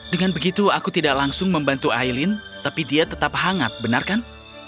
dengan begitu aku tidak langsung membantu aileen tapi dia tetap hangat benar kan